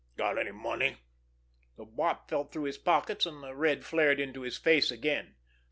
Got any money?" The Wop felt through his pockets, and the red flared into his face again.